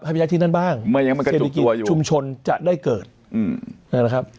ภายใจที่นั่นบ้างเศรษฐกิจชุมชนจะได้เกิดนะครับ